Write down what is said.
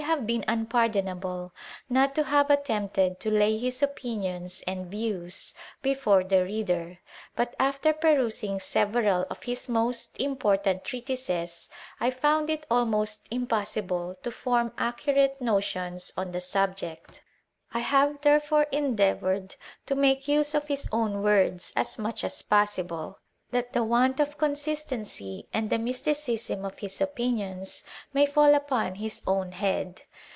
IT PHEFACE. have been unpardonable not to have attempted to lay his opinions and views before the reader ; but, after pe rusing several of his most important treatises, I found it almost impossible to form accurate notions on the subject. I have, therefore, endeavoured to state his opinions in his own words as much as possible, that the want of consistency and the mysticism of his opinions may fall upon his own head.